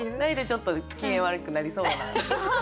ちょっと機嫌悪くなりそうな。